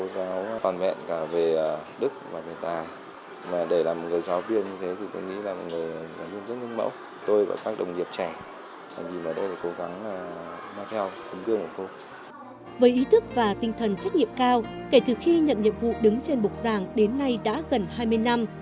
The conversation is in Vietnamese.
sau kể từ khi nhận nhiệm vụ đứng trên bục giảng đến nay đã gần hai mươi năm